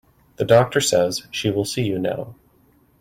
The doctor says that she will see you now.